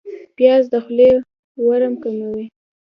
پیاز د خولې ورم کموي